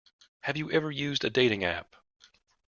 Have you ever used a dating app?